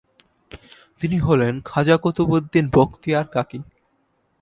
তিনি হলেন খাজা কুতুবউদ্দীন বখতিয়ার কাকী।